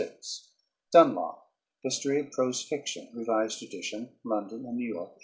DUNLOP. History of Prose Fiction (revised edition), London and New York, 1888.